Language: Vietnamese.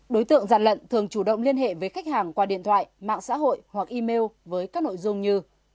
đối tượng giàn lận thường chủ động liên hệ với khách hàng qua điện thoại mạng xã hội hoặc email với các nội dung như